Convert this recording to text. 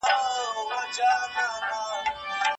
ته یې ونیسه مابین په خپلو داړو